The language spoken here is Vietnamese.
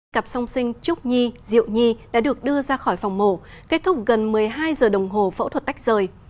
cặp song sinh trúc nhi diệu nhi đã được đưa ra khỏi phòng mổ kết thúc gần một mươi hai giờ đồng hồ phẫu thuật tách rời